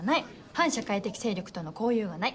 反社会的勢力との交遊がない。